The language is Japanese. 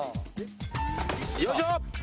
よいしょ！